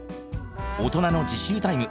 大人の自習タイム